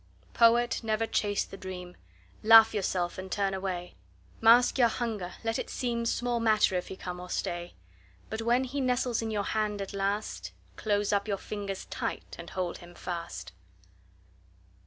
Poet, never chase the dream. Laugh yourself and turn away. Mask your hunger; let it seem Small matter if he come or stay; But when he nestles in your hand at last, Close up your fingers tight and hold him fast.